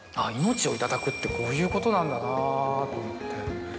ってこういうことなんだなと思って。